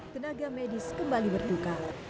kenaga medis kembali berduka